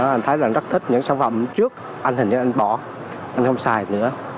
anh thấy là anh rất thích những sản phẩm trước anh hình như anh bỏ anh không xài nữa